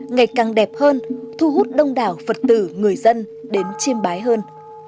ngày càng đẹp hơn thu hút đông đảo phật tử người dân đến chiêm bái hơn